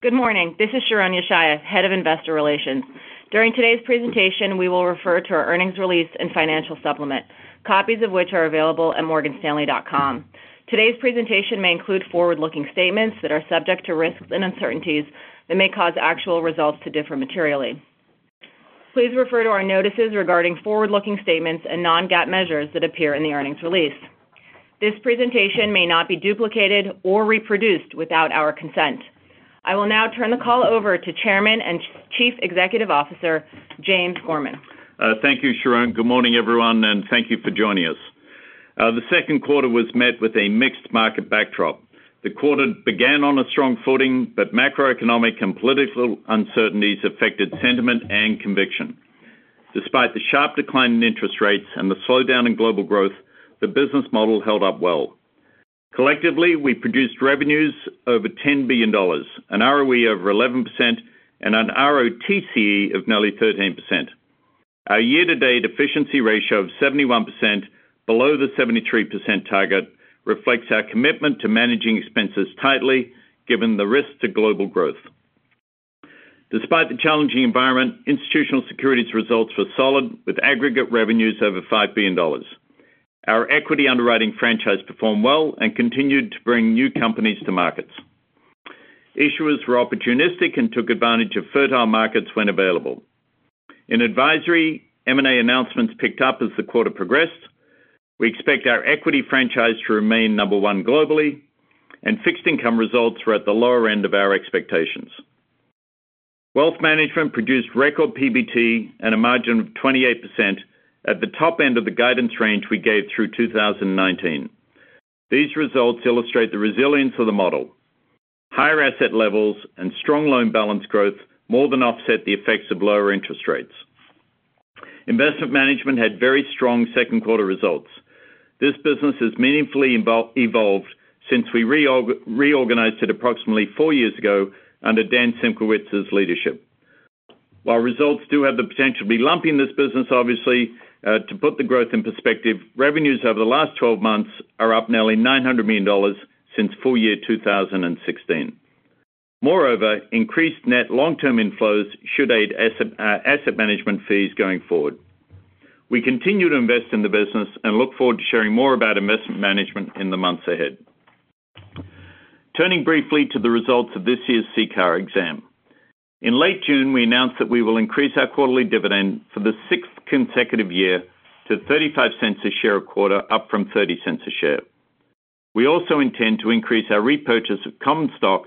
Good morning. This is Sharon Yeshaya, head of investor relations. During today's presentation, we will refer to our earnings release and financial supplement, copies of which are available at morganstanley.com. Today's presentation may include forward-looking statements that are subject to risks and uncertainties that may cause actual results to differ materially. Please refer to our notices regarding forward-looking statements and non-GAAP measures that appear in the earnings release. This presentation may not be duplicated or reproduced without our consent. I will now turn the call over to Chairman and Chief Executive Officer, James Gorman. Thank you, Sharon. Good morning, everyone, and thank you for joining us. The second quarter was met with a mixed market backdrop. The quarter began on a strong footing, but macroeconomic and political uncertainties affected sentiment and conviction. Despite the sharp decline in interest rates and the slowdown in global growth, the business model held up well. Collectively, we produced revenues over $10 billion, an ROE of 11%, and an ROTCE of nearly 13%. Our year-to-date efficiency ratio of 71%, below the 73% target, reflects our commitment to managing expenses tightly given the risks to global growth. Despite the challenging environment, institutional securities results were solid, with aggregate revenues over $5 billion. Our equity underwriting franchise performed well and continued to bring new companies to markets. Issuers were opportunistic and took advantage of fertile markets when available. In advisory, M&A announcements picked up as the quarter progressed. We expect our equity franchise to remain number one globally. Fixed income results were at the lower end of our expectations. Wealth management produced record PBT and a margin of 28% at the top end of the guidance range we gave through 2019. These results illustrate the resilience of the model. Higher asset levels and strong loan balance growth more than offset the effects of lower interest rates. Investment management had very strong second quarter results. This business has meaningfully evolved since we reorganized it approximately four years ago under Dan Simkowitz's leadership. While results do have the potential to be lumpy in this business, obviously, to put the growth in perspective, revenues over the last 12 months are up nearly $900 million since full year 2016. Moreover, increased net long-term inflows should aid asset management fees going forward. We continue to invest in the business and look forward to sharing more about investment management in the months ahead. Turning briefly to the results of this year's CCAR exam. In late June, we announced that we will increase our quarterly dividend for the sixth consecutive year to $0.35 a share a quarter, up from $0.30 a share. We also intend to increase our repurchase of common stock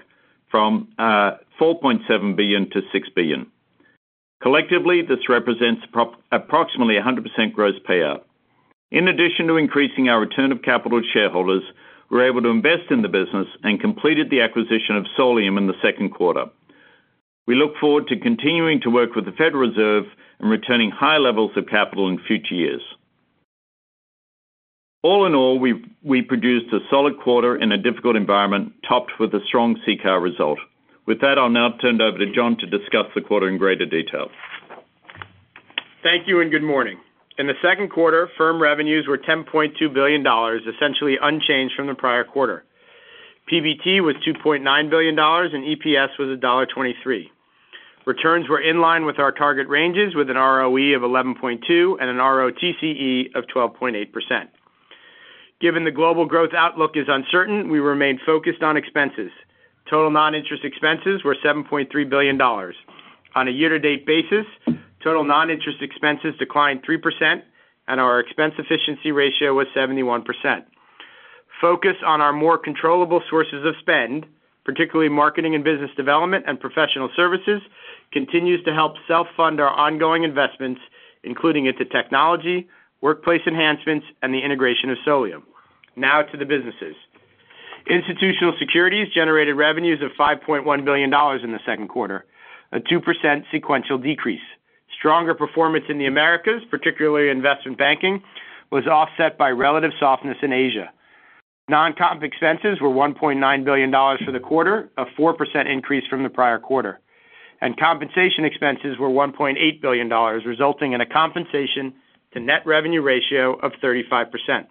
from $4.7 billion to $6 billion. Collectively, this represents approximately 100% gross payout. In addition to increasing our return of capital to shareholders, we're able to invest in the business and completed the acquisition of Solium in the second quarter. We look forward to continuing to work with the Federal Reserve in returning high levels of capital in future years. All in all, we produced a solid quarter in a difficult environment, topped with a strong CCAR result. With that, I'll now turn it over to John to discuss the quarter in greater detail. Thank you, and good morning. In the second quarter, firm revenues were $10.2 billion, essentially unchanged from the prior quarter. PBT was $2.9 billion, and EPS was $1.23. Returns were in line with our target ranges, with an ROE of 11.2% and an ROTCE of 12.8%. Given the global growth outlook is uncertain, we remain focused on expenses. Total non-interest expenses were $7.3 billion. On a year-to-date basis, total non-interest expenses declined 3%, and our expense efficiency ratio was 71%. Focus on our more controllable sources of spend, particularly marketing and business development and professional services, continues to help self-fund our ongoing investments, including into technology, workplace enhancements, and the integration of Solium. Now to the businesses. Institutional securities generated revenues of $5.1 billion in the second quarter, a 2% sequential decrease. Stronger performance in the Americas, particularly investment banking, was offset by relative softness in Asia. Non-comp expenses were $1.9 billion for the quarter, a 4% increase from the prior quarter, and compensation expenses were $1.8 billion, resulting in a compensation to net revenue ratio of 35%.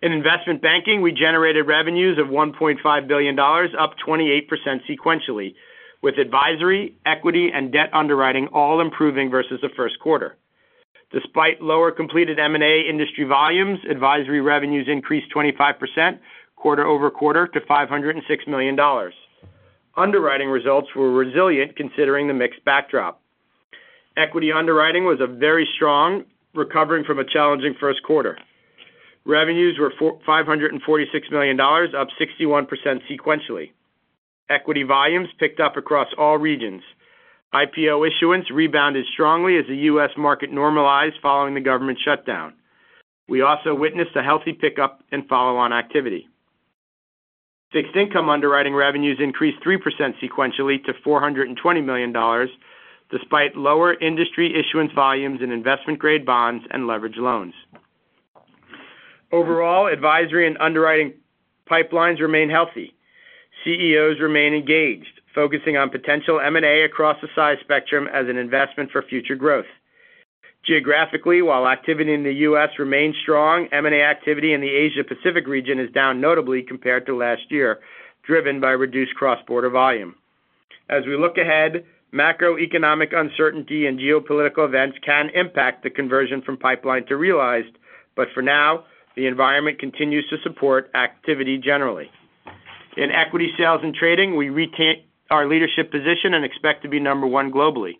In investment banking, we generated revenues of $1.5 billion, up 28% sequentially, with advisory, equity, and debt underwriting all improving versus the first quarter. Despite lower completed M&A industry volumes, advisory revenues increased 25% quarter-over-quarter to $506 million. Underwriting results were resilient considering the mixed backdrop. Equity underwriting was very strong, recovering from a challenging first quarter. Revenues were $546 million, up 61% sequentially. Equity volumes picked up across all regions. IPO issuance rebounded strongly as the U.S. market normalized following the government shutdown. We also witnessed a healthy pickup in follow-on activity. Fixed income underwriting revenues increased 3% sequentially to $420 million, despite lower industry issuance volumes in investment-grade bonds and leverage loans. Overall, advisory and underwriting pipelines remain healthy. CEOs remain engaged, focusing on potential M&A across the size spectrum as an investment for future growth. Geographically, while activity in the U.S. remains strong, M&A activity in the Asia Pacific region is down notably compared to last year, driven by reduced cross-border volume. As we look ahead, macroeconomic uncertainty and geopolitical events can impact the conversion from pipeline to realized. For now, the environment continues to support activity generally. In equity sales and trading, we retain our leadership position and expect to be number one globally.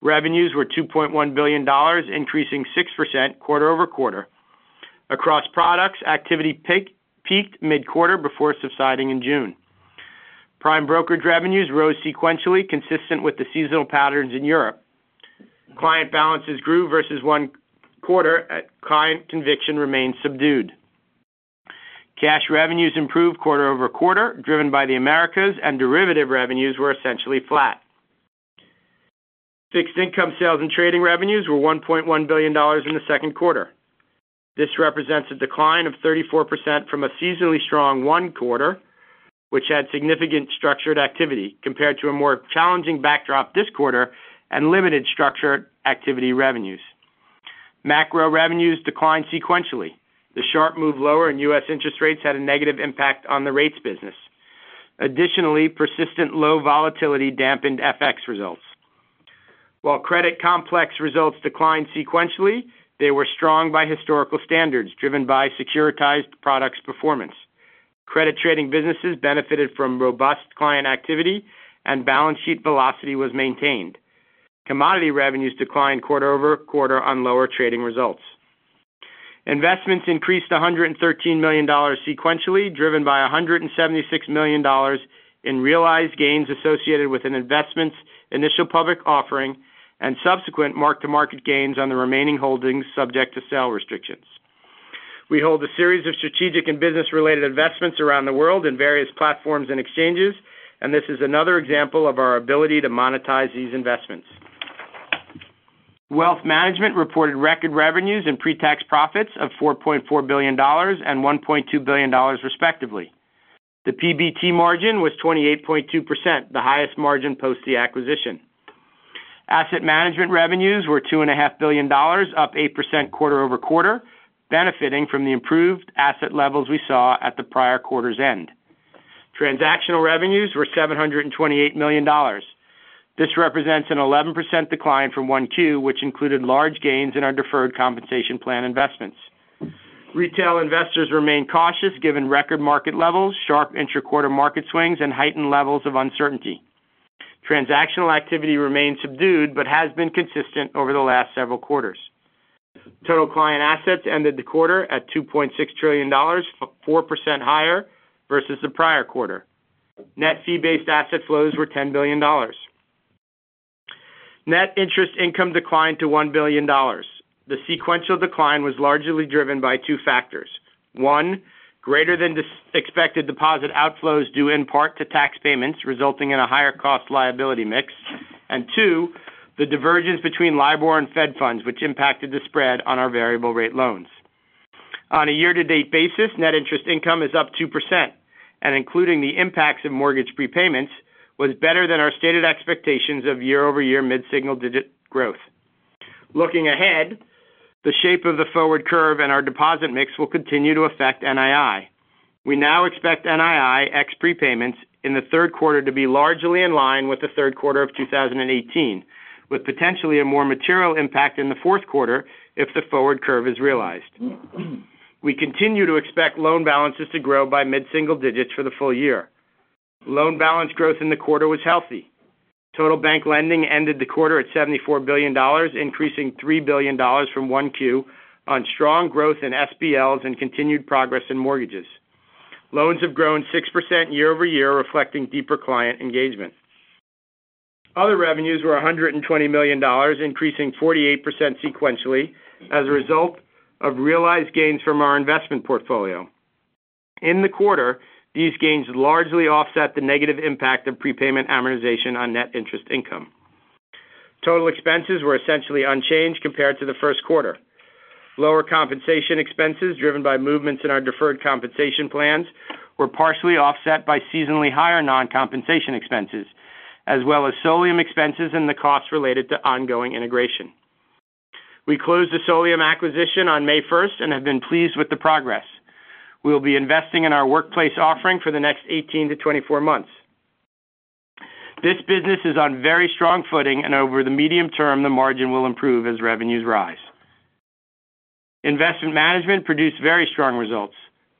Revenues were $2.1 billion, increasing 6% quarter-over-quarter. Across products, activity peaked mid-quarter before subsiding in June. Prime brokerage revenues rose sequentially, consistent with the seasonal patterns in Europe. Client balances grew versus one quarter. Client conviction remains subdued. Cash revenues improved quarter-over-quarter, driven by the Americas, and derivative revenues were essentially flat. Fixed income sales and trading revenues were $1.1 billion in the second quarter. This represents a decline of 34% from a seasonally strong one quarter, which had significant structured activity compared to a more challenging backdrop this quarter and limited structured activity revenues. Macro revenues declined sequentially. The sharp move lower in U.S. interest rates had a negative impact on the rates business. Additionally, persistent low volatility dampened FX results. While credit complex results declined sequentially, they were strong by historical standards, driven by securitized products performance. Credit trading businesses benefited from robust client activity, and balance sheet velocity was maintained. Commodity revenues declined quarter-over-quarter on lower trading results. Investments increased to $113 million sequentially, driven by $176 million in realized gains associated with an investment's initial public offering and subsequent mark-to-market gains on the remaining holdings subject to sale restrictions. We hold a series of strategic and business-related investments around the world in various platforms and exchanges, this is another example of our ability to monetize these investments. Wealth Management reported record revenues and pre-tax profits of $4.4 billion and $1.2 billion, respectively. The PBT margin was 28.2%, the highest margin post the acquisition. Asset management revenues were $2.5 billion, up 8% quarter-over-quarter, benefiting from the improved asset levels we saw at the prior quarter's end. Transactional revenues were $728 million. This represents an 11% decline from one Q, which included large gains in our deferred compensation plan investments. Retail investors remain cautious given record market levels, sharp intra-quarter market swings, and heightened levels of uncertainty. Transactional activity remains subdued but has been consistent over the last several quarters. Total client assets ended the quarter at $2.6 trillion, 4% higher versus the prior quarter. Net fee-based asset flows were $10 billion. Net interest income declined to $1 billion. The sequential decline was largely driven by two factors. One, greater than expected deposit outflows due in part to tax payments, resulting in a higher cost liability mix. Two, the divergence between LIBOR and Fed funds, which impacted the spread on our variable rate loans. On a year-to-date basis, net interest income is up 2% and including the impacts of mortgage prepayments, was better than our stated expectations of year-over-year mid-single digit growth. Looking ahead, the shape of the forward curve and our deposit mix will continue to affect NII. We now expect NII ex-prepayments in the third quarter to be largely in line with the third quarter of 2018, with potentially a more material impact in the fourth quarter if the forward curve is realized. We continue to expect loan balances to grow by mid-single digits for the full year. Loan balance growth in the quarter was healthy. Total bank lending ended the quarter at $74 billion, increasing $3 billion from one Q on strong growth in SBLs and continued progress in mortgages. Loans have grown 6% year-over-year, reflecting deeper client engagement. Other revenues were $120 million, increasing 48% sequentially as a result of realized gains from our investment portfolio. In the quarter, these gains largely offset the negative impact of prepayment amortization on net interest income. Total expenses were essentially unchanged compared to the first quarter. Lower compensation expenses driven by movements in our deferred compensation plans were partially offset by seasonally higher non-compensation expenses, as well as Solium expenses and the costs related to ongoing integration. We closed the Solium acquisition on May 1st and have been pleased with the progress. We'll be investing in our workplace offering for the next 18-24 months. This business is on very strong footing, and over the medium term, the margin will improve as revenues rise. Investment Management produced very strong results.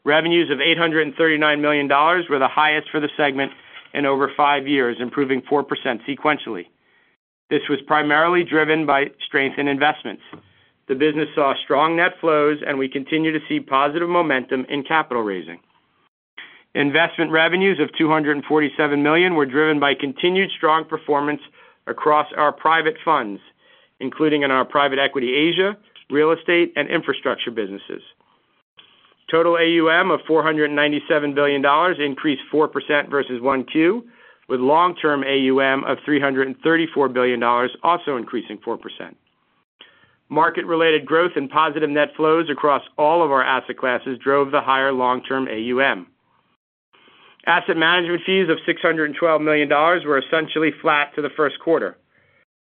Revenues of $839 million were the highest for the segment in over five years, improving 4% sequentially. This was primarily driven by strength in investments. The business saw strong net flows, and we continue to see positive momentum in capital raising. Investment revenues of $247 million were driven by continued strong performance across our private funds, including in our private equity Asia, real estate, and infrastructure businesses. Total AUM of $497 billion increased 4% versus one Q, with long-term AUM of $334 billion also increasing 4%. Market-related growth and positive net flows across all of our asset classes drove the higher long-term AUM. Asset Management fees of $612 million were essentially flat to the first quarter.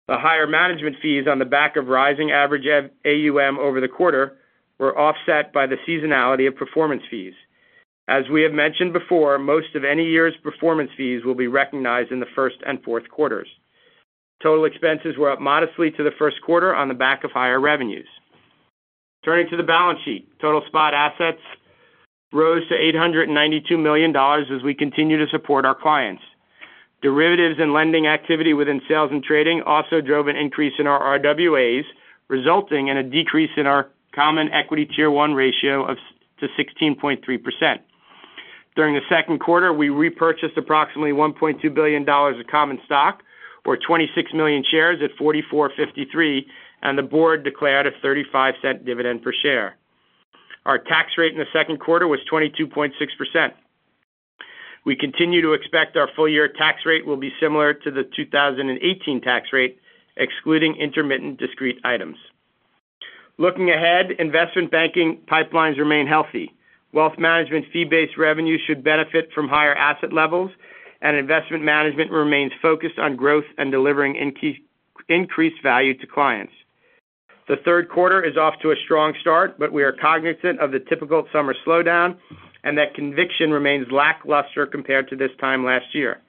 The higher management fees on the back of rising average AUM over the quarter were offset by the seasonality of performance fees. As we have mentioned before, most of any year's performance fees will be recognized in the first and fourth quarters. Total expenses were up modestly to the first quarter on the back of higher revenues. Turning to the balance sheet, total spot assets rose to $892 million as we continue to support our clients. Derivatives and lending activity within sales and trading also drove an increase in our RWAs, resulting in a decrease in our common equity Tier 1 ratio to 16.3%. During the second quarter, we repurchased approximately $1.2 billion of common stock, or 26 million shares at $44.53, and the board declared a $0.35 dividend per share. Our tax rate in the second quarter was 22.6%. We continue to expect our full-year tax rate will be similar to the 2018 tax rate, excluding intermittent discrete items. Looking ahead, investment banking pipelines remain healthy. Wealth Management fee-based revenue should benefit from higher asset levels, and Investment Management remains focused on growth and delivering increased value to clients. The third quarter is off to a strong start, but we are cognizant of the typical summer slowdown and that conviction remains lackluster compared to this time last year.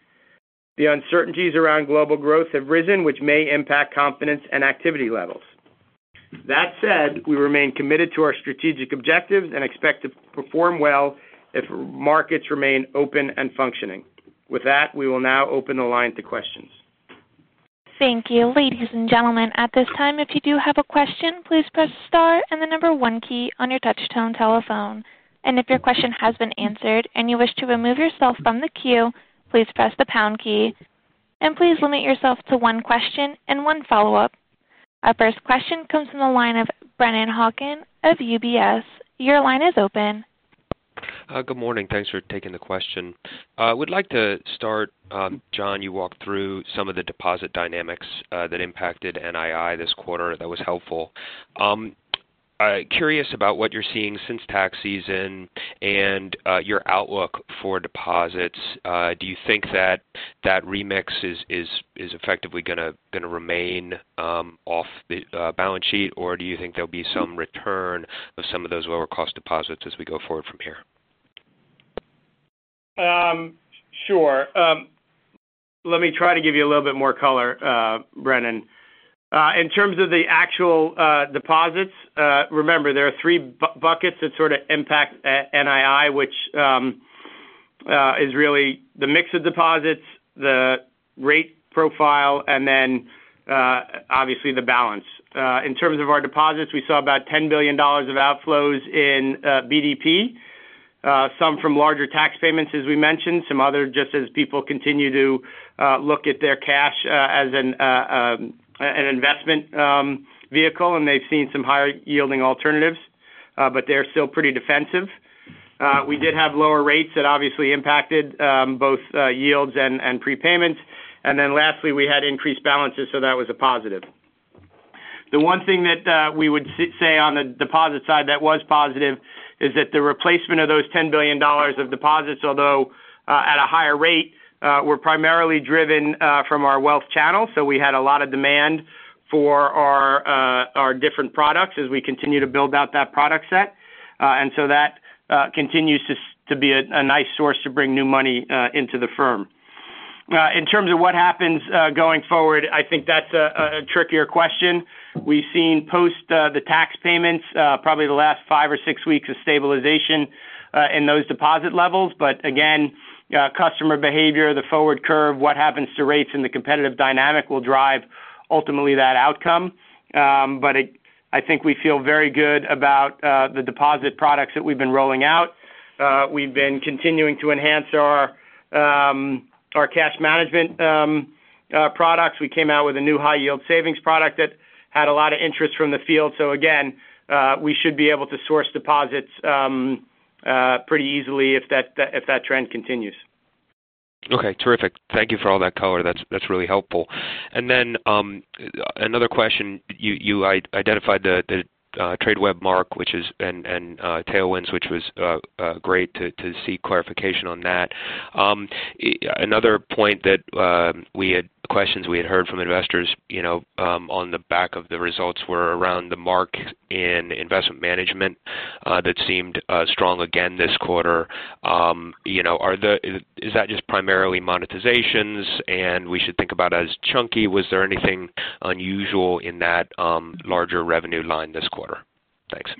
The uncertainties around global growth have risen, which may impact confidence and activity levels. That said, we remain committed to our strategic objectives and expect to perform well if markets remain open and functioning. With that, we will now open the line to questions. Thank you. Ladies and gentlemen, at this time, if you do have a question, please press star and the number one key on your touch-tone telephone. If your question has been answered and you wish to remove yourself from the queue, please press the pound key. Please limit yourself to one question and one follow-up. Our first question comes from the line of Brennan Hawken of UBS. Your line is open. Good morning. Thanks for taking the question. I would like to start, John, you walked through some of the deposit dynamics that impacted NII this quarter. That was helpful. Curious about what you're seeing since tax season and your outlook for deposits. Do you think that that remix is effectively going to remain off the balance sheet, or do you think there'll be some return of some of those lower-cost deposits as we go forward from here? Sure. Let me try to give you a little bit more color, Brennan. In terms of the actual deposits, remember there are three buckets that sort of impact NII, which is really the mix of deposits, the rate profile, and obviously the balance. In terms of our deposits, we saw about $10 billion of outflows in BDP. Some from larger tax payments, as we mentioned, some other just as people continue to look at their cash as an investment vehicle, and they've seen some higher yielding alternatives, but they're still pretty defensive. We did have lower rates that obviously impacted both yields and prepayments. Lastly, we had increased balances, so that was a positive. The one thing that we would say on the deposit side that was positive is that the replacement of those $10 billion of deposits, although at a higher rate, were primarily driven from our wealth channel. We had a lot of demand for our different products as we continue to build out that product set. That continues to be a nice source to bring new money into the firm. In terms of what happens going forward, I think that's a trickier question. We've seen post the tax payments probably the last five or six weeks of stabilization in those deposit levels. Again, customer behavior, the forward curve, what happens to rates, and the competitive dynamic will drive ultimately that outcome. I think we feel very good about the deposit products that we've been rolling out. We've been continuing to enhance our cash management products. We came out with a new high yield savings product that had a lot of interest from the field. Again, we should be able to source deposits pretty easily if that trend continues. Okay, terrific. Thank you for all that color. That's really helpful. Another question. You identified the Tradeweb mark, and tailwinds, which was great to see clarification on that. Another point that we had questions we had heard from investors on the back of the results were around the mark in investment management that seemed strong again this quarter. Is that just primarily monetizations, and we should think about as chunky? Was there anything unusual in that larger revenue line this quarter? Thanks.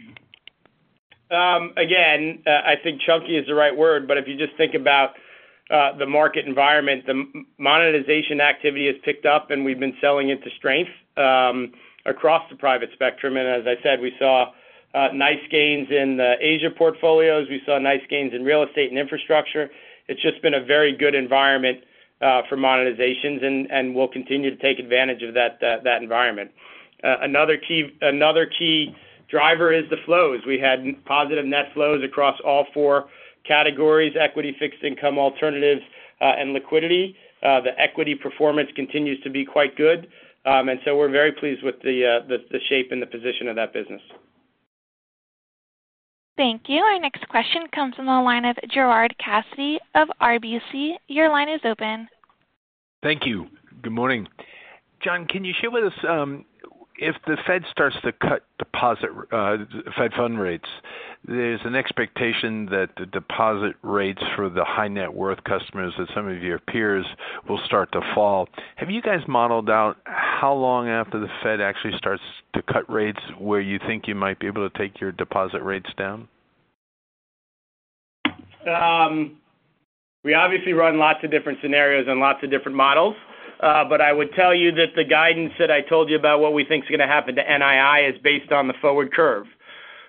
Again, I think chunky is the right word. If you just think about the market environment, the monetization activity has picked up, and we've been selling it to strength across the private spectrum. As I said, we saw nice gains in the Asia portfolios. We saw nice gains in real estate and infrastructure. It's just been a very good environment for monetizations, and we'll continue to take advantage of that environment. Another key driver is the flows. We had positive net flows across all four categories, equity, fixed income, alternatives, and liquidity. The equity performance continues to be quite good. We're very pleased with the shape and the position of that business. Thank you. Our next question comes from the line of Gerard Cassidy of RBC. Your line is open. Thank you. Good morning. John, can you share with us if the Fed starts to cut deposit Fed fund rates, there's an expectation that the deposit rates for the high net worth customers that some of your peers will start to fall. Have you guys modeled out how long after the Fed actually starts to cut rates where you think you might be able to take your deposit rates down? We obviously run lots of different scenarios and lots of different models. I would tell you that the guidance that I told you about what we think is going to happen to NII is based on the forward curve.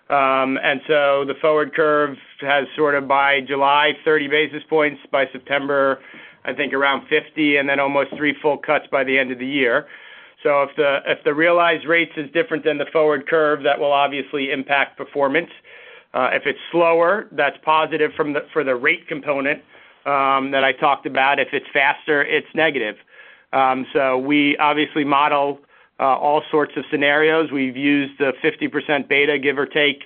The forward curve has sort of by July, 30 basis points, by September, I think around 50, and then almost three full cuts by the end of the year. If the realized rates is different than the forward curve, that will obviously impact performance. If it's slower, that's positive for the rate component that I talked about. If it's faster, it's negative. We obviously model all sorts of scenarios. We've used the 50% beta give or take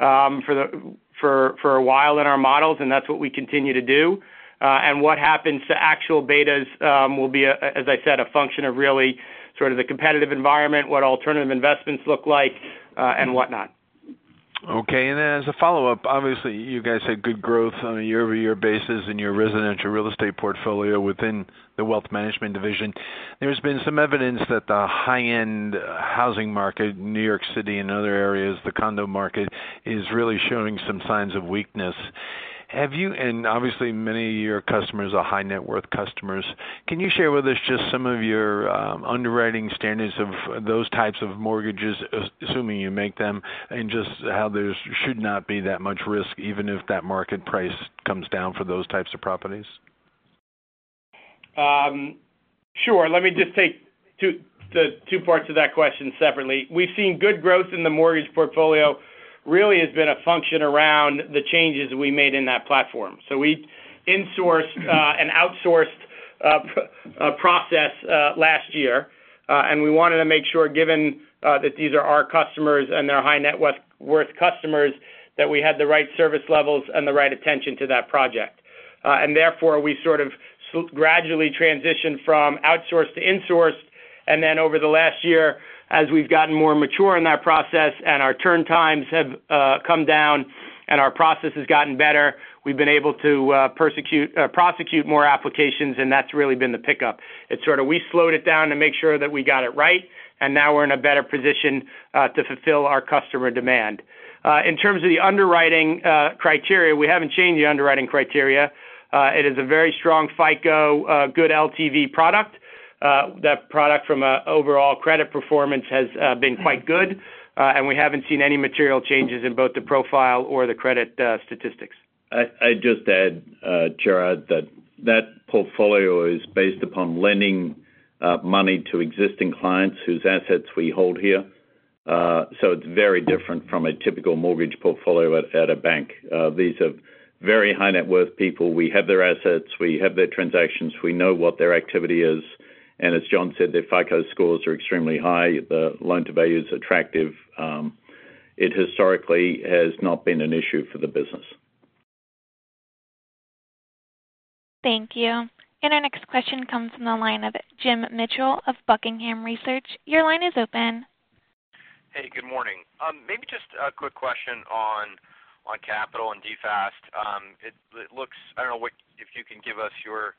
for a while in our models, and that's what we continue to do. What happens to actual betas will be, as I said, a function of really sort of the competitive environment, what alternative investments look like and whatnot. Okay. As a follow-up, obviously you guys had good growth on a year-over-year basis in your residential real estate portfolio within the wealth management division. There's been some evidence that the high-end housing market in New York City and other areas, the condo market is really showing some signs of weakness. Obviously many of your customers are high net worth customers. Can you share with us just some of your underwriting standards of those types of mortgages, assuming you make them, and just how there should not be that much risk even if that market price comes down for those types of properties? Sure. Let me just take the two parts of that question separately. We've seen good growth in the mortgage portfolio really has been a function around the changes we made in that platform. We insourced an outsourced process last year. We wanted to make sure, given that these are our customers and they're high net worth customers, that we had the right service levels and the right attention to that project. We sort of gradually transitioned from outsourced to insourced. Over the last year, as we've gotten more mature in that process and our turn times have come down and our process has gotten better, we've been able to prosecute more applications, and that's really been the pickup. It's sort of we slowed it down to make sure that we got it right, and now we're in a better position to fulfill our customer demand. In terms of the underwriting criteria, we haven't changed the underwriting criteria. It is a very strong FICO, good LTV product. That product from an overall credit performance has been quite good. We haven't seen any material changes in both the profile or the credit statistics. I'd just add, Gerard, that that portfolio is based upon lending money to existing clients whose assets we hold here. It's very different from a typical mortgage portfolio at a bank. These are very high net worth people. We have their assets. We have their transactions. We know what their activity is. As John said, their FICO scores are extremely high. The loan to value is attractive. It historically has not been an issue for the business. Thank you. Our next question comes from the line of Jim Mitchell of Buckingham Research. Your line is open. Hey, good morning. Maybe just a quick question on capital and DFAST. I don't know if you can give us your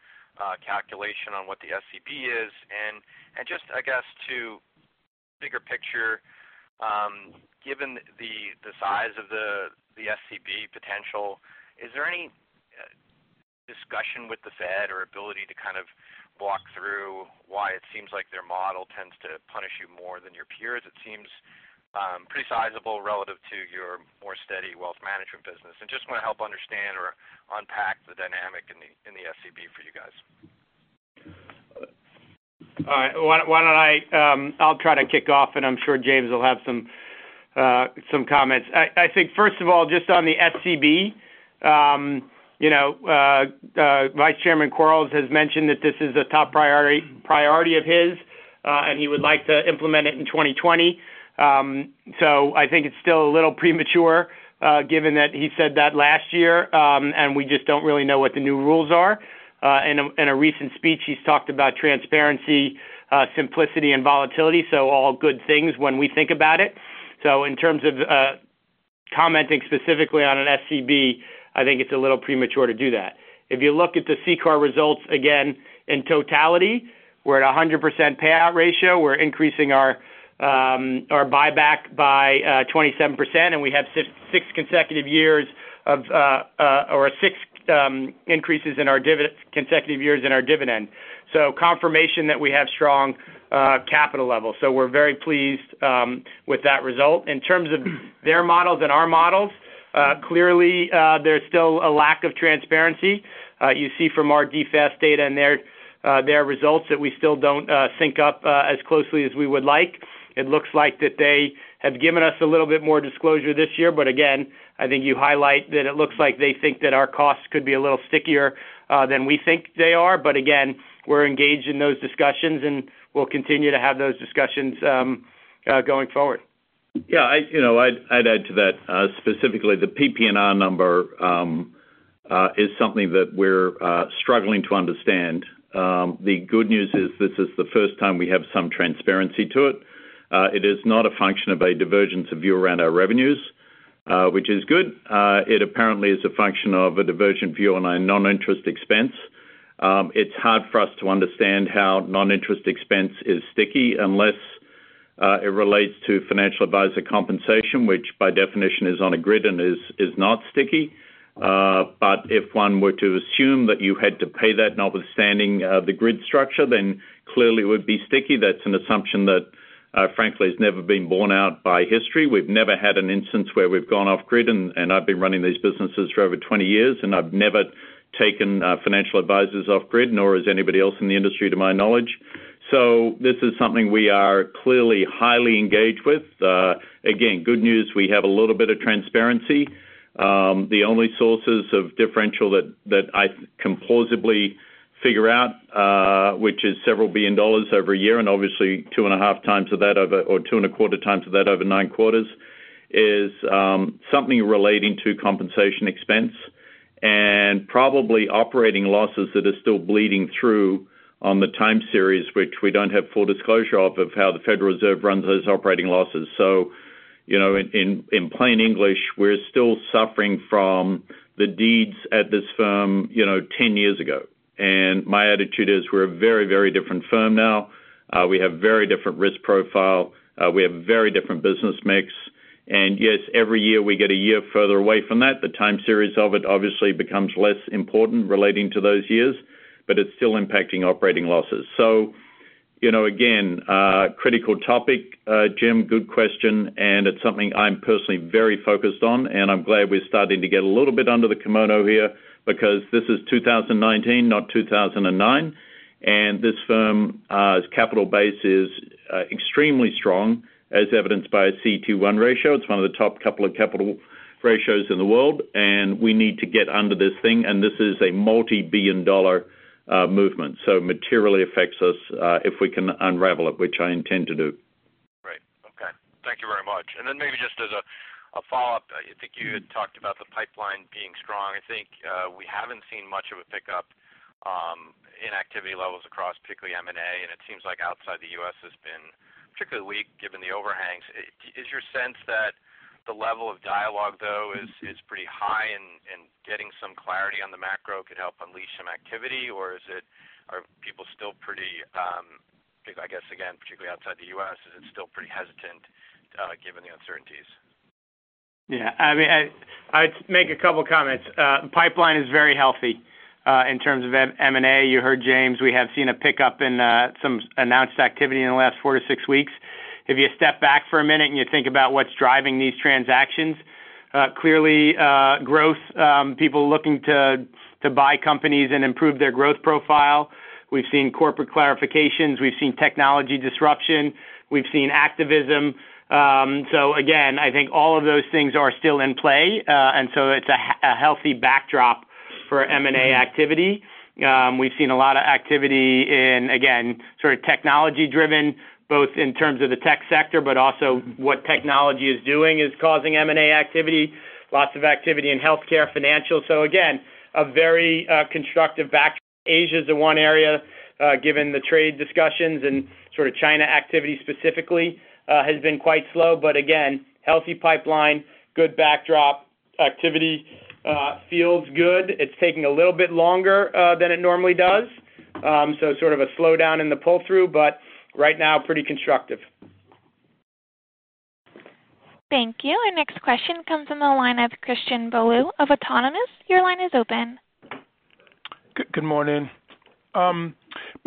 calculation on what the SCB is. Just, I guess to bigger picture, given the size of the SCB potential, is there any discussion with the Fed or ability to kind of walk through why it seems like their model tends to punish you more than your peers? It seems pretty sizable relative to your more steady wealth management business. I just want to help understand or unpack the dynamic in the SCB for you guys. All right. I'll try to kick off, and I'm sure James will have some comments. I think first of all, just on the SCB, Vice Chairman Quarles has mentioned that this is a top priority of his, and he would like to implement it in 2020. I think it's still a little premature, given that he said that last year, and we just don't really know what the new rules are. In a recent speech, he's talked about transparency, simplicity, and volatility. All good things when we think about it. In terms of commenting specifically on an SCB, I think it's a little premature to do that. If you look at the CCAR results, again, in totality, we're at 100% payout ratio. We're increasing our buyback by 27%, and we have six increases in our consecutive years in our dividend. Confirmation that we have strong capital levels. We're very pleased with that result. In terms of their models and our models, clearly there's still a lack of transparency. You see from our DFAST data and their results that we still don't sync up as closely as we would like. It looks like that they have given us a little bit more disclosure this year. Again, I think you highlight that it looks like they think that our costs could be a little stickier than we think they are. Again, we're engaged in those discussions, and we'll continue to have those discussions going forward. Yeah. I'd add to that specifically the PPNR number is something that we're struggling to understand. The good news is this is the first time we have some transparency to it. It is not a function of a divergence of view around our revenues, which is good. It apparently is a function of a divergent view on our non-interest expense. It's hard for us to understand how non-interest expense is sticky unless it relates to financial advisor compensation, which by definition is on a grid and is not sticky. If one were to assume that you had to pay that notwithstanding the grid structure, then clearly it would be sticky. That's an assumption that, frankly, has never been borne out by history. We've never had an instance where we've gone off grid, and I've been running these businesses for over 20 years, and I've never taken financial advisors off grid, nor has anybody else in the industry, to my knowledge. This is something we are clearly highly engaged with. Again, good news, we have a little bit of transparency. The only sources of differential that I can plausibly figure out, which is several billion dollars every year, and obviously two and a quarter times of that over nine quarters, is something relating to compensation expense and probably operating losses that are still bleeding through on the time series, which we don't have full disclosure of how the Federal Reserve runs those operating losses. In plain English, we're still suffering from the deeds at this firm 10 years ago. My attitude is we're a very different firm now. We have very different risk profile. We have very different business mix. Yes, every year we get a year further away from that. The time series of it obviously becomes less important relating to those years, but it's still impacting operating losses. Again, critical topic, Jim. Good question, and it's something I'm personally very focused on, and I'm glad we're starting to get a little bit under the kimono here, because this is 2019, not 2009. This firm's capital base is extremely strong, as evidenced by a CET1 ratio. It's one of the top couple of capital ratios in the world, and we need to get under this thing. This is a multi-billion dollar movement, so materially affects us if we can unravel it, which I intend to do. Great. Okay. Thank you very much. Maybe just as a follow-up, I think you had talked about the pipeline being strong. I think we haven't seen much of a pickup in activity levels across particularly M&A, and it seems like outside the U.S. has been particularly weak given the overhangs. Is your sense that the level of dialogue, though, is pretty high and getting some clarity on the macro could help unleash some activity? Or are people still pretty, I guess again, particularly outside the U.S., is it still pretty hesitant given the uncertainties? Yeah. I'd make a couple comments. Pipeline is very healthy. In terms of M&A, you heard James, we have seen a pickup in some announced activity in the last four to six weeks. If you step back for a minute and you think about what's driving these transactions, clearly growth, people looking to buy companies and improve their growth profile. We've seen corporate clarifications. We've seen technology disruption. We've seen activism. Again, I think all of those things are still in play. It's a healthy backdrop for M&A activity. We've seen a lot of activity in, again, sort of technology-driven, both in terms of the tech sector, but also what technology is doing is causing M&A activity. Lots of activity in healthcare, financial. Again, a very constructive back. Asia's the one area, given the trade discussions and sort of China activity specifically, has been quite slow. Again, healthy pipeline, good backdrop. Activity feels good. It's taking a little bit longer than it normally does. Sort of a slowdown in the pull-through, but right now, pretty constructive. Thank you. Our next question comes from the line of Christian Bolu of Autonomous. Your line is open. Good morning.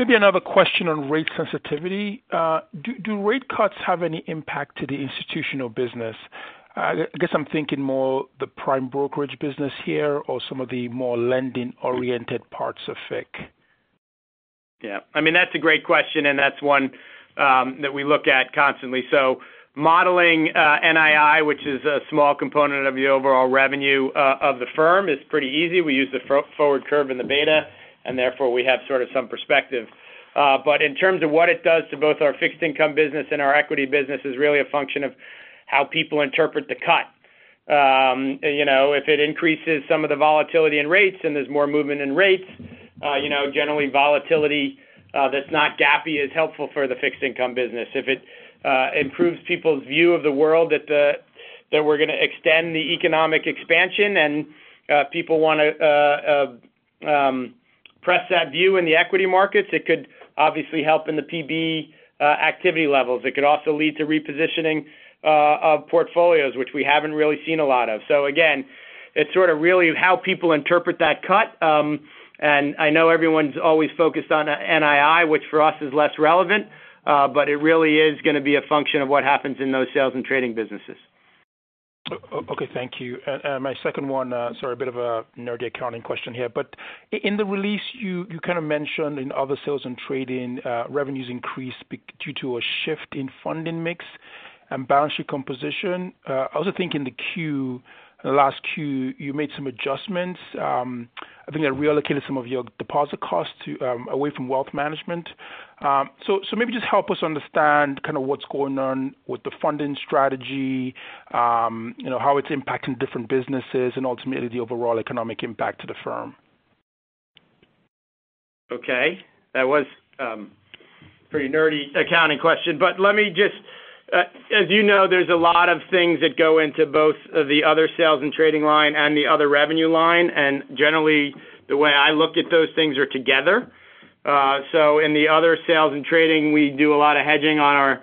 Maybe another question on rate sensitivity. Do rate cuts have any impact to the institutional business? I guess I'm thinking more the prime brokerage business here or some of the more lending-oriented parts of FIC. Yeah. That's a great question, and that's one that we look at constantly. Modeling NII, which is a small component of the overall revenue of the firm, is pretty easy. We use the forward curve and the beta, and therefore we have sort of some perspective. In terms of what it does to both our fixed income business and our equity business is really a function of how people interpret the cut. If it increases some of the volatility in rates and there's more movement in rates, generally volatility that's not gappy is helpful for the fixed income business. If it improves people's view of the world that we're going to extend the economic expansion and people want to press that view in the equity markets, it could obviously help in the PB activity levels. It could also lead to repositioning of portfolios, which we haven't really seen a lot of. Again, it's sort of really how people interpret that cut. I know everyone's always focused on NII, which for us is less relevant. It really is going to be a function of what happens in those sales and trading businesses. Okay. Thank you. My second one, sorry, a bit of a nerdy accounting question here, but in the release, you kind of mentioned in other sales and trading, revenues increased due to a shift in funding mix and balance sheet composition. I also think in the last Q, you made some adjustments. I think that reallocated some of your deposit costs away from wealth management. Maybe just help us understand what's going on with the funding strategy, how it's impacting different businesses, and ultimately the overall economic impact to the firm. Okay. That was pretty nerdy accounting question. As you know, there's a lot of things that go into both the other sales and trading line and the other revenue line. Generally, the way I look at those things are together. In the other sales and trading, we do a lot of hedging on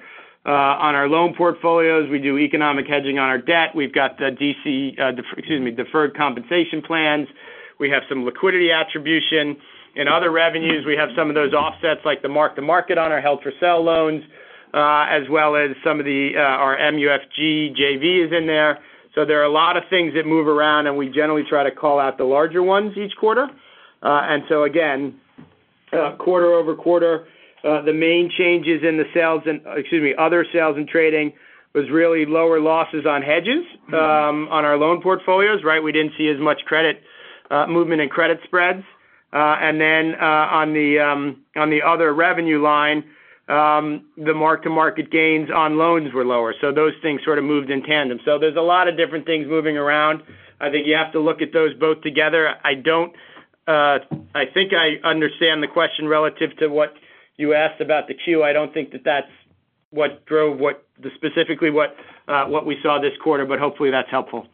our loan portfolios. We do economic hedging on our debt. We've got the deferred compensation plans. We have some liquidity attribution. In other revenues, we have some of those offsets like the mark-to-market on our held-for-sale loans, as well as some of the, our MUFG JV is in there. There are a lot of things that move around, and we generally try to call out the larger ones each quarter. Again, quarter-over-quarter, the main changes in the other sales and trading was really lower losses on hedges on our loan portfolios. We didn't see as much credit movement and credit spreads. On the other revenue line, the mark-to-market gains on loans were lower. Those things sort of moved in tandem. There's a lot of different things moving around. I think you have to look at those both together. I think I understand the question relative to what you asked about the Q. I don't think that that's what drove specifically what we saw this quarter, but hopefully that's helpful.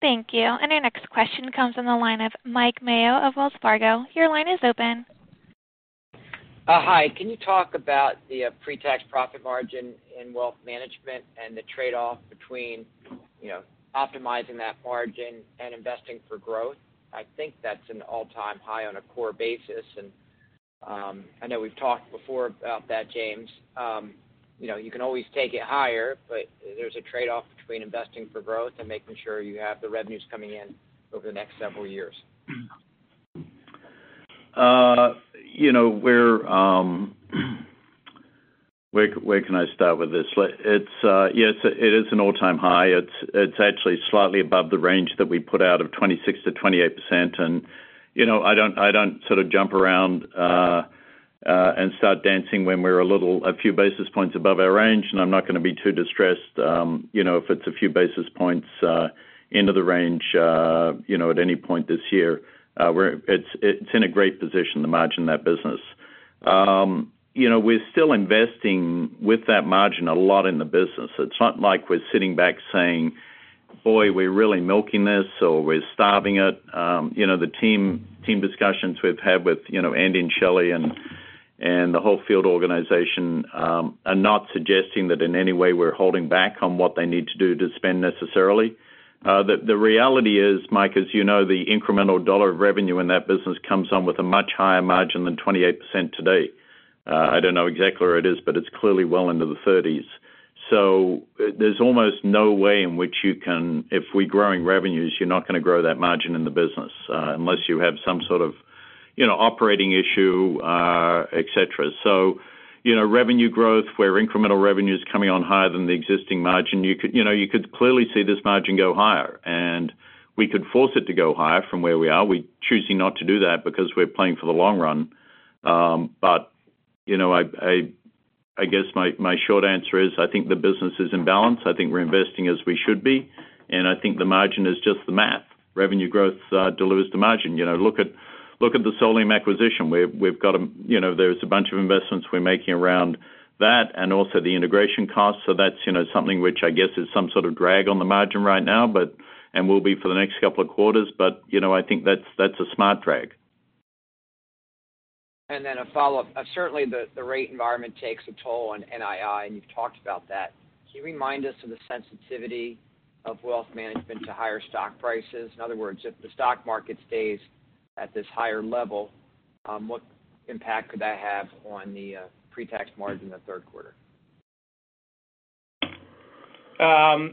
Thank you. Our next question comes on the line of Mike Mayo of Wells Fargo. Your line is open. Hi. Can you talk about the pre-tax profit margin in wealth management and the trade-off between optimizing that margin and investing for growth? I think that's an all-time high on a core basis, and I know we've talked before about that, James. You can always take it higher, but there's a trade-off between investing for growth and making sure you have the revenues coming in over the next several years. Where can I start with this? Yes, it is an all-time high. It's actually slightly above the range that we put out of 26%-28%. I don't sort of jump around and start dancing when we're a few basis points above our range, and I'm not going to be too distressed if it's a few basis points into the range at any point this year. It's in a great position to margin that business. We're still investing with that margin a lot in the business. It's not like we're sitting back saying, "Boy, we're really milking this," or we're starving it. The team discussions we've had with Andy and Shelly and the whole field organization are not suggesting that in any way we're holding back on what they need to do to spend necessarily. The reality is, Mike, as you know, the incremental dollar of revenue in that business comes on with a much higher margin than 28% today. I don't know exactly where it is, but it's clearly well into the 30s. There's almost no way in which you can, if we're growing revenues, you're not going to grow that margin in the business unless you have some sort of operating issue, et cetera. Revenue growth where incremental revenue is coming on higher than the existing margin, you could clearly see this margin go higher, and we could force it to go higher from where we are. We're choosing not to do that because we're playing for the long run. I guess my short answer is I think the business is in balance. I think we're investing as we should be, and I think the margin is just the math. Revenue growth delivers the margin. Look at the Solium acquisition. There's a bunch of investments we're making around that and also the integration costs. That's something which I guess is some sort of drag on the margin right now and will be for the next couple of quarters. I think that's a smart drag. A follow-up. Certainly, the rate environment takes a toll on NII, and you've talked about that. Can you remind us of the sensitivity of wealth management to higher stock prices? In other words, if the stock market stays at this higher level, what impact could that have on the pre-tax margin in the third quarter?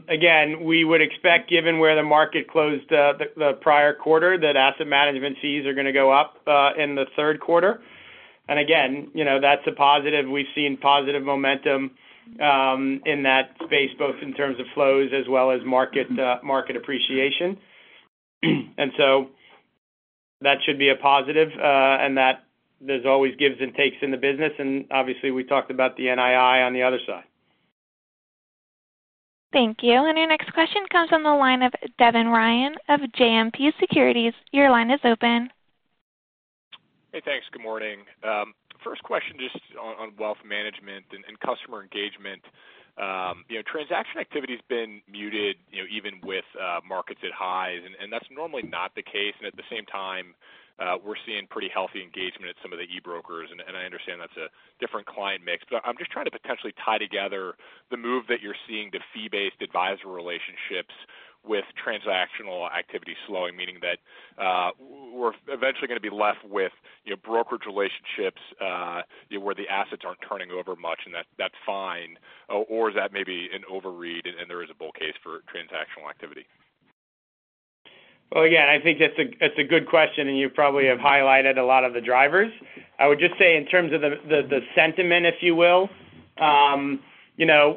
Again, we would expect, given where the market closed the prior quarter, that asset management fees are going to go up in the third quarter. Again, that's a positive. We've seen positive momentum in that space, both in terms of flows as well as market appreciation. That should be a positive. There's always gives and takes in the business, and obviously we talked about the NII on the other side. Thank you. Our next question comes on the line of Devin Ryan of JMP Securities. Your line is open. Hey, thanks. Good morning. First question, just on wealth management and customer engagement. Transaction activity has been muted even with markets at highs, and that's normally not the case. At the same time, we're seeing pretty healthy engagement at some of the e-brokers. I understand that's a different client mix. I'm just trying to potentially tie together the move that you're seeing to fee-based advisor relationships with transactional activity slowing, meaning that we're eventually going to be left with brokerage relationships where the assets aren't turning over much, and that's fine. Is that maybe an overread, and there is a bull case for transactional activity? Well, again, I think that's a good question, and you probably have highlighted a lot of the drivers. I would just say in terms of the sentiment, if you will.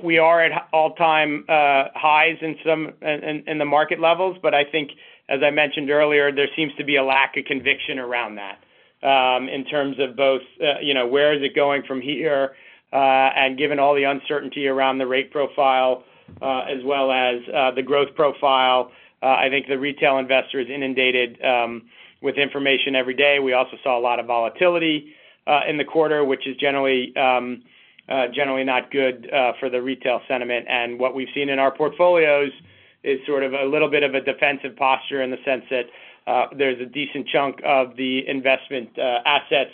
We are at all-time highs in the market levels, but I think, as I mentioned earlier, there seems to be a lack of conviction around that in terms of both, where is it going from here? Given all the uncertainty around the rate profile, as well as the growth profile, I think the retail investor is inundated with information every day. We also saw a lot of volatility in the quarter, which is generally not good for the retail sentiment. What we've seen in our portfolios is sort of a little bit of a defensive posture in the sense that there's a decent chunk of the investment assets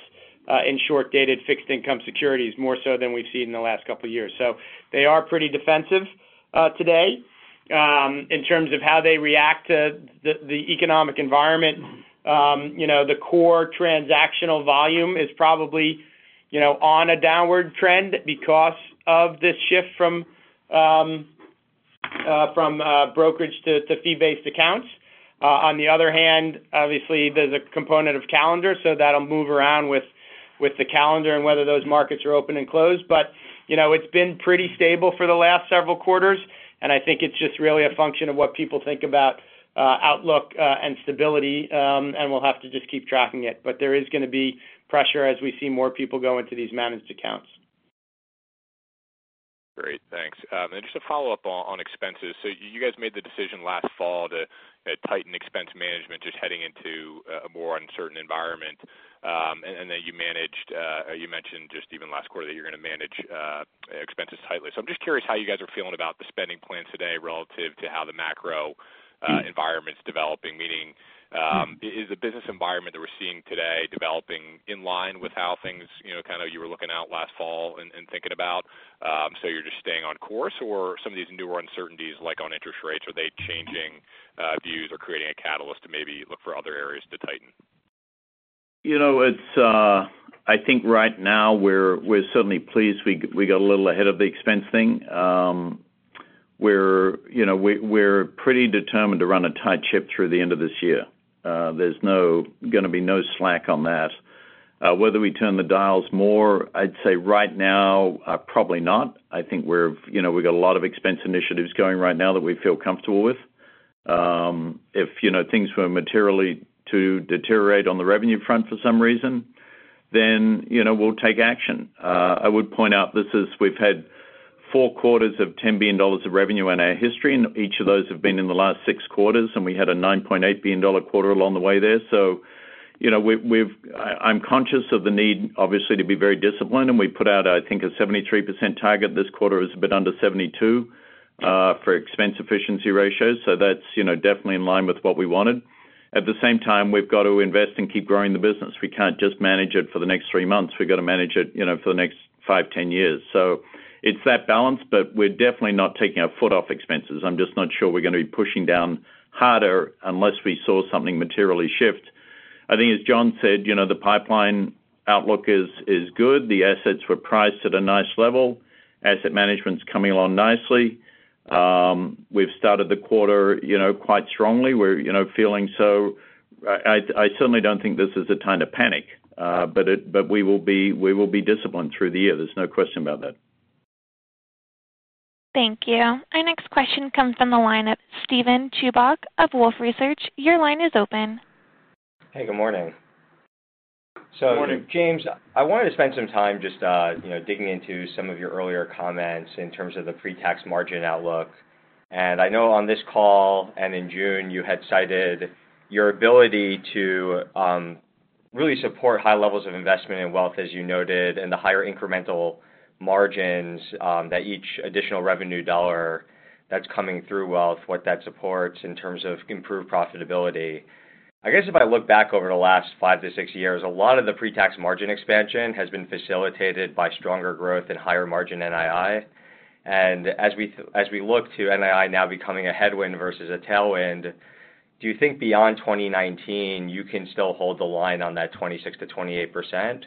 in short-dated fixed income securities, more so than we've seen in the last couple of years. They are pretty defensive today. In terms of how they react to the economic environment, the core transactional volume is probably on a downward trend because of this shift from brokerage to fee-based accounts. On the other hand, obviously, there's a component of calendar, so that'll move around with the calendar and whether those markets are open and closed. It's been pretty stable for the last several quarters, and I think it's just really a function of what people think about outlook and stability. We'll have to just keep tracking it. There is going to be pressure as we see more people go into these managed accounts. Great. Thanks. Just a follow-up on expenses. You guys made the decision last fall to tighten expense management just heading into a more uncertain environment. Then you mentioned just even last quarter that you're going to manage expenses tightly. I'm just curious how you guys are feeling about the spending plan today relative to how the macro environment's developing, meaning, is the business environment that we're seeing today developing in line with how things you were looking out last fall and thinking about? You're just staying on course? Some of these newer uncertainties, like on interest rates, are they changing views or creating a catalyst to maybe look for other areas to tighten? I think right now we're certainly pleased we got a little ahead of the expense thing. We're pretty determined to run a tight ship through the end of this year. There's going to be no slack on that. Whether we turn the dials more, I'd say right now, probably not. I think we've got a lot of expense initiatives going right now that we feel comfortable with. If things were materially to deteriorate on the revenue front for some reason, then we'll take action. I would point out we've had four quarters of $10 billion of revenue in our history, and each of those have been in the last six quarters, and we had a $9.8 billion quarter along the way there. I'm conscious of the need, obviously, to be very disciplined, and we put out, I think, a 73% target this quarter. It's a bit under 72% for expense efficiency ratios. That's definitely in line with what we wanted. At the same time, we've got to invest and keep growing the business. We can't just manage it for the next three months. We've got to manage it for the next five, 10 years. It's that balance, we're definitely not taking our foot off expenses. I'm just not sure we're going to be pushing down harder unless we saw something materially shift. I think, as John said, the pipeline outlook is good. The assets were priced at a nice level. Asset management's coming along nicely. We've started the quarter quite strongly. I certainly don't think this is a time to panic. We will be disciplined through the year. There's no question about that. Thank you. Our next question comes from the line of Steven Chubak of Wolfe Research. Your line is open. Hey, good morning. Morning. James, I wanted to spend some time just digging into some of your earlier comments in terms of the pre-tax margin outlook. I know on this call and in June, you had cited your ability to really support high levels of investment in wealth, as you noted, and the higher incremental margins that each additional revenue dollar that's coming through wealth, what that supports in terms of improved profitability. I guess if I look back over the last five to six years, a lot of the pre-tax margin expansion has been facilitated by stronger growth and higher margin NII. As we look to NII now becoming a headwind versus a tailwind, do you think beyond 2019, you can still hold the line on that 26%-28%?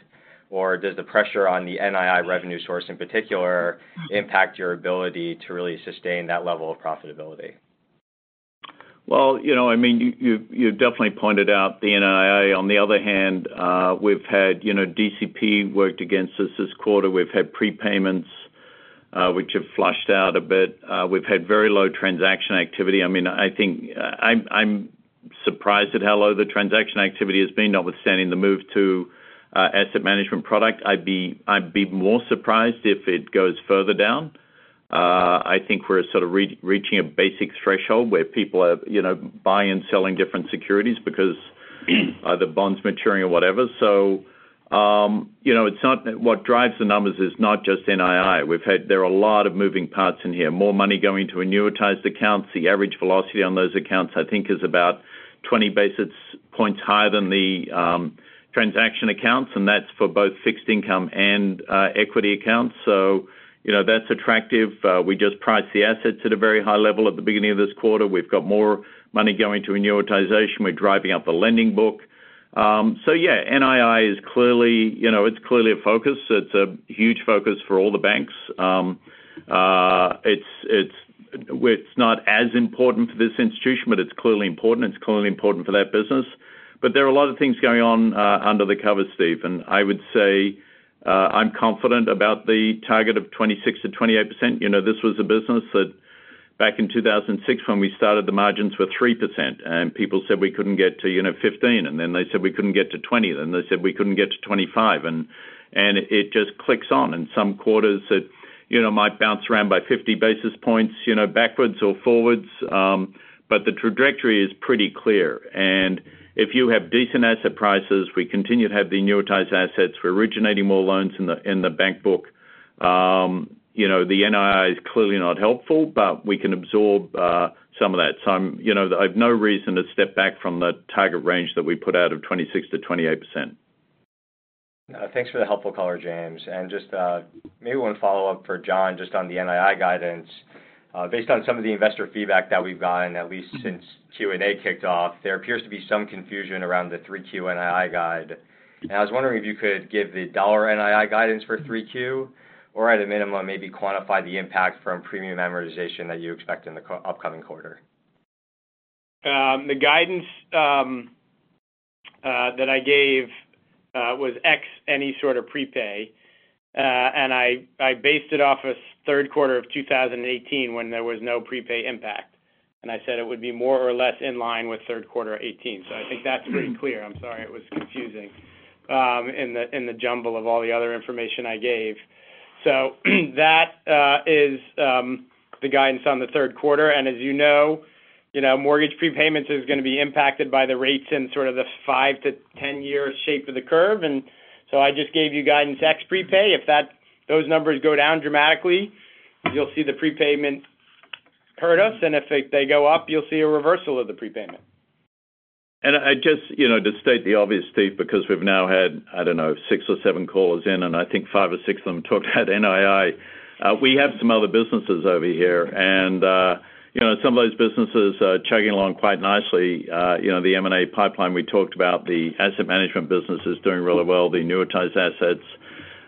Does the pressure on the NII revenue source in particular impact your ability to really sustain that level of profitability? Well, you definitely pointed out the NII. On the other hand, we've had DCP worked against us this quarter. We've had prepayments, which have flushed out a bit. We've had very low transaction activity. I'm surprised at how low the transaction activity has been, notwithstanding the move to asset management product. I'd be more surprised if it goes further down. I think we're sort of reaching a basic threshold where people are buying and selling different securities because either bonds maturing or whatever. What drives the numbers is not just NII. There are a lot of moving parts in here. More money going to annuitized accounts. The average velocity on those accounts, I think, is about 20 basis points higher than the transaction accounts, and that's for both fixed income and equity accounts. That's attractive. We just priced the assets at a very high level at the beginning of this quarter. We've got more money going to annuitization. We're driving up the lending book. Yeah, NII, it's clearly a focus. It's a huge focus for all the banks. Where it's not as important for this institution, but it's clearly important. It's clearly important for that business. There are a lot of things going on under the cover, Steve, and I would say I'm confident about the target of 26%-28%. This was a business that back in 2006 when we started, the margins were 3% and people said we couldn't get to 15%. Then they said we couldn't get to 20%. They said we couldn't get to 25%, and it just clicks on. In some quarters it might bounce around by 50 basis points backwards or forwards. The trajectory is pretty clear. If you have decent asset prices, we continue to have the annuitized assets. We're originating more loans in the bank book. The NII is clearly not helpful, but we can absorb some of that. I have no reason to step back from the target range that we put out of 26%-28%. Thanks for the helpful color, James. Just maybe one follow-up for John, just on the NII guidance. Based on some of the investor feedback that we've gotten, at least since Q&A kicked off, there appears to be some confusion around the 3Q NII guide. I was wondering if you could give the $ NII guidance for 3Q, or at a minimum, maybe quantify the impact from premium amortization that you expect in the upcoming quarter. I just gave you guidance ex any sort of prepay. I based it off a third quarter of 2018 when there was no prepay impact, and I said it would be more or less in line with third quarter 2018. I think that's pretty clear. I'm sorry it was confusing in the jumble of all the other information I gave. That is the guidance on the third quarter. As you know, mortgage prepayments is going to be impacted by the rates in sort of the 5-10 year shape of the curve. I just gave you guidance ex prepay. If those numbers go down dramatically, you'll see the prepayment hurt us. If they go up, you'll see a reversal of the prepayment. Just to state the obvious, Steve, because we've now had, I don't know, six or seven calls in, and I think five or six of them talked about NII. We have some other businesses over here, and some of those businesses are chugging along quite nicely. The M&A pipeline we talked about, the asset management business is doing really well, the annuitized assets.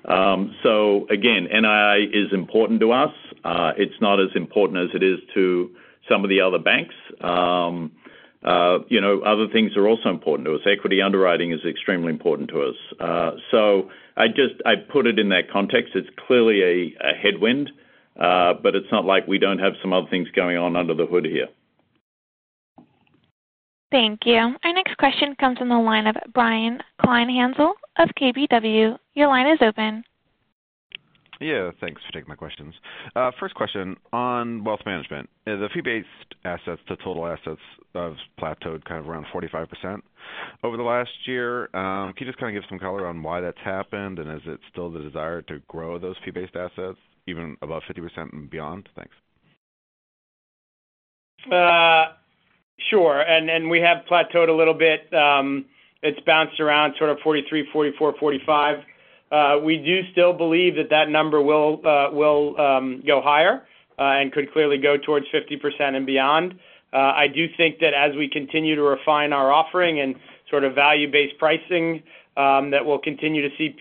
Again, NII is important to us. It's not as important as it is to some of the other banks. Other things are also important to us. Equity underwriting is extremely important to us. I put it in that context. It's clearly a headwind. It's not like we don't have some other things going on under the hood here. Thank you. Our next question comes from the line of Brian Kleinhanzl of KBW. Your line is open. Thanks for taking my questions. First question on wealth management. As the fee-based assets to total assets have plateaued kind of around 45% over the last year, can you just kind of give some color on why that's happened? Is it still the desire to grow those fee-based assets even above 50% and beyond? Thanks. Sure. We have plateaued a little bit. It's bounced around sort of 43, 44, 45. We do still believe that that number will go higher and could clearly go towards 50% and beyond. I do think that as we continue to refine our offering and sort of value-based pricing that we'll continue to see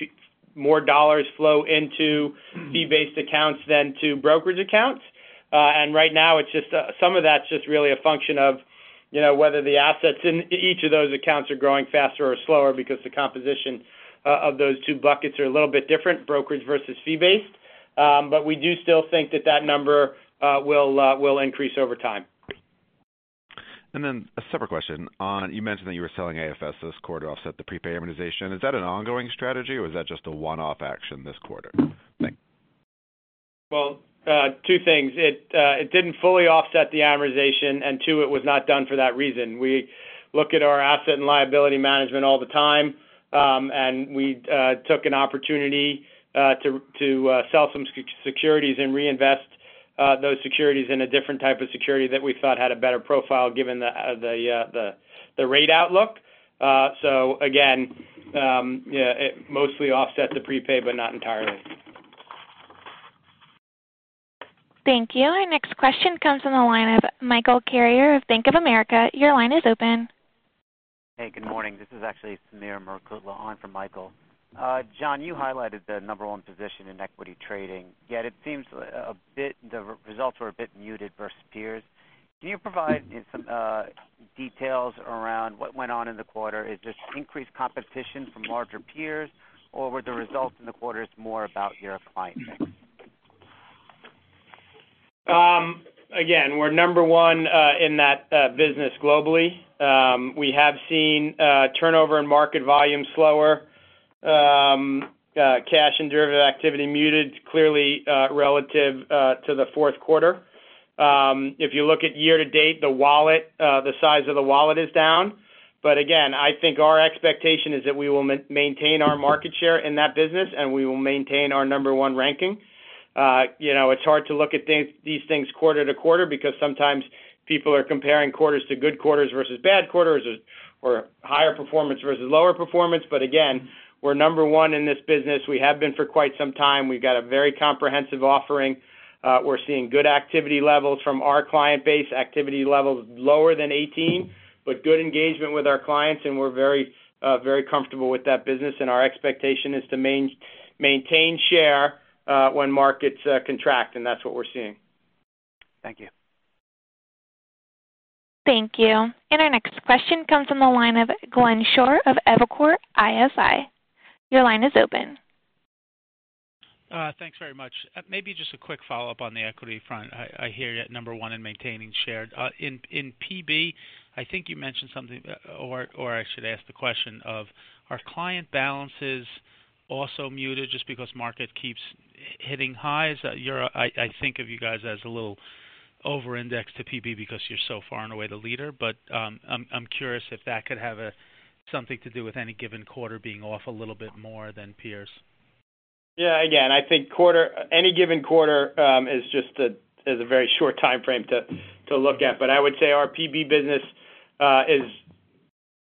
more dollars flow into fee-based accounts than to brokerage accounts. Right now some of that's just really a function of whether the assets in each of those accounts are growing faster or slower because the composition of those two buckets are a little bit different, brokerage versus fee-based. We do still think that that number will increase over time. Then a separate question. You mentioned that you were selling AFS this quarter to offset the prepay amortization. Is that an ongoing strategy or is that just a one-off action this quarter? Thanks. Well, two things. It didn't fully offset the amortization, two, it was not done for that reason. We look at our asset and liability management all the time. We took an opportunity to sell some securities and reinvest those securities in a different type of security that we thought had a better profile given the rate outlook. Again, it mostly offset the prepay, but not entirely. Thank you. Our next question comes from the line of Michael Carrier of Bank of America. Your line is open. Hey, good morning. This is actually Sameer Murukutla on for Michael. John, you highlighted the number one position in equity trading. Yet it seems the results were a bit muted versus peers. Can you provide some details around what went on in the quarter? Is this increased competition from larger peers, or were the results in the quarters more about your clients? Again, we're number one in that business globally. We have seen turnover in market volume slower. Cash and derivative activity muted, clearly relative to the fourth quarter. If you look at year-to-date, the size of the wallet is down. Again, I think our expectation is that we will maintain our market share in that business, and we will maintain our number one ranking. It's hard to look at these things quarter to quarter because sometimes people are comparing quarters to good quarters versus bad quarters or higher performance versus lower performance. Again, we're number one in this business. We have been for quite some time. We've got a very comprehensive offering. We're seeing good activity levels from our client base. Activity levels lower than 2018, but good engagement with our clients. We're very comfortable with that business. Our expectation is to maintain share when markets contract, and that's what we're seeing. Thank you. Thank you. Our next question comes from the line of Glenn Schorr of Evercore ISI. Your line is open. Thanks very much. Maybe just a quick follow-up on the equity front. I hear you at number one in maintaining share. In PB, I think you mentioned something, or I should ask the question of, are client balances also muted just because market keeps hitting highs? I think of you guys as a little over-indexed to PB because you're so far and away the leader. I'm curious if that could have something to do with any given quarter being off a little bit more than peers. Yeah. Again, I think any given quarter is just a very short timeframe to look at. I would say our PB business is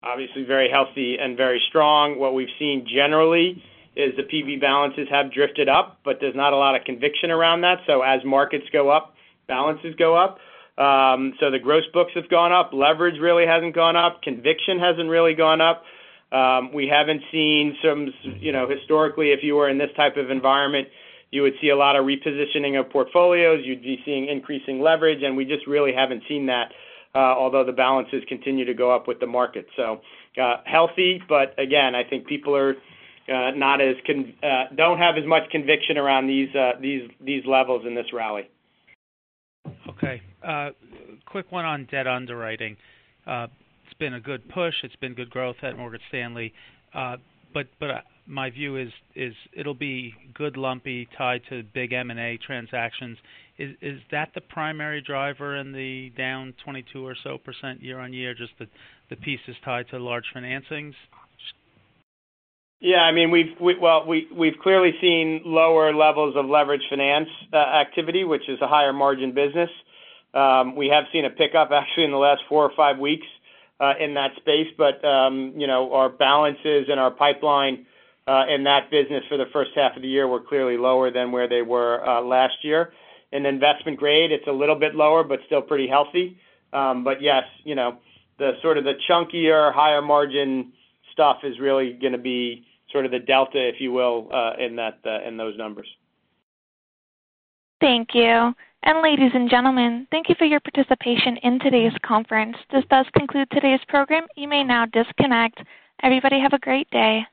obviously very healthy and very strong. What we've seen generally is the PB balances have drifted up, but there's not a lot of conviction around that. As markets go up, balances go up. The gross books have gone up. Leverage really hasn't gone up. Conviction hasn't really gone up. Historically, if you were in this type of environment, you would see a lot of repositioning of portfolios, you'd be seeing increasing leverage, and we just really haven't seen that. Although the balances continue to go up with the market. Healthy, but again, I think people don't have as much conviction around these levels in this rally. Okay. Quick one on debt underwriting. It's been a good push. It's been good growth at Morgan Stanley. My view is it'll be good lumpy tied to big M&A transactions. Is that the primary driver in the down 22% or so year-on-year, just the pieces tied to large financings? Yeah. We've clearly seen lower levels of leverage finance activity, which is a higher margin business. We have seen a pickup actually in the last four or five weeks in that space. Our balances and our pipeline in that business for the first half of the year were clearly lower than where they were last year. In investment grade, it's a little bit lower, but still pretty healthy. Yes, the chunkier, higher margin stuff is really going to be sort of the delta, if you will, in those numbers. Thank you. Ladies and gentlemen, thank you for your participation in today's conference. This does conclude today's program. You may now disconnect. Everybody have a great day.